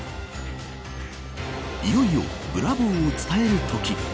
いよいよブラボー伝えるとき。